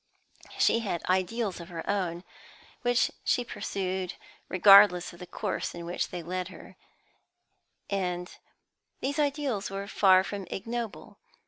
She had ideals of her own, which she pursued regardless of the course in which they led her; and these ideals were far from ignoble.